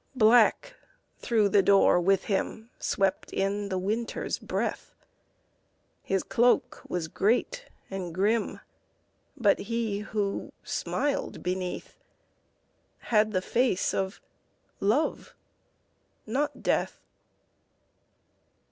_ Black through the door with him Swept in the Winter's breath; His cloak was great and grim But he, who smiled beneath, Had the face of Love not Death.